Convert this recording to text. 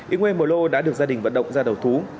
yngwe mờ lô đã được gia đình vận động ra đầu thú